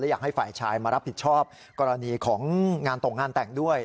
อยากให้ฝ่ายชายมารับผิดชอบกรณีของงานตกงานแต่งด้วย